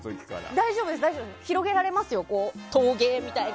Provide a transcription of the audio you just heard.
大丈夫です、広げられますよ陶芸みたいに。